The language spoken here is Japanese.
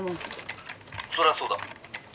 「そりゃそうだ」